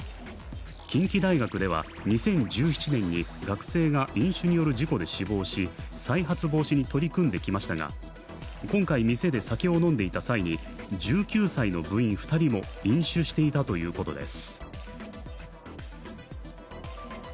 近畿大学では２０１７年に学生が飲酒による事故で死亡し、再発防止に取り組んできましたが、今回店で酒を飲んでいた際に１９歳の部員２人も飲酒していたということです。